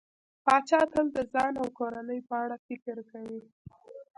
پاچا تل د ځان او کورنۍ په اړه فکر کوي.